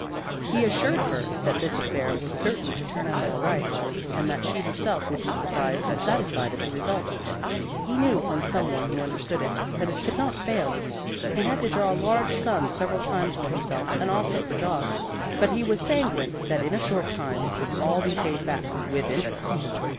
He assured her that this affair was certain to turn out all right, and that she herself would be surprised and satisfied at the result. He knew from some one who understood it, that it could not fail. He had to draw large sums several times for himself and also for Jost, but he was sanguine that in a short time it would all be paid back, with interest.